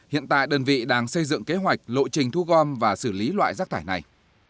hiện tại đơn vị đang xây dựng kế hoạch lộ trình thu gom và xử lý loại rác thải này